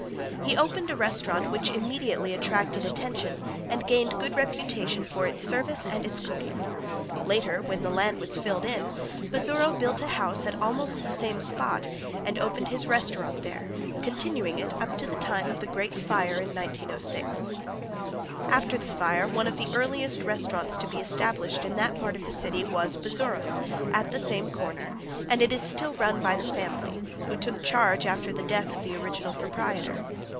He opened a restaurant which immediately attracted attention and gained good reputation for its service and its cooking. Later, when the land was filled in, Bazzuro built a house at almost the same spot and opened his restaurant there, continuing it up to the time of the great fire in 1906. After the fire one of the earliest restaurants to be established in that part of the city was Bazzuro's, at the same corner, and it is still run by the family, who took charge after the death of the original proprietor.